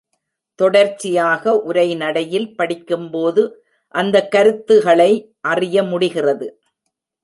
தொடர்ச்சியாக உரை நடையில் படிக்கும்போது அந்தக் கருத்துகளை அறிய முடிகிறது.